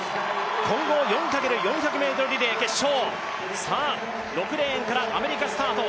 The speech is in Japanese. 混合４×４００ｍリレー決勝６レーンからアメリカスタート。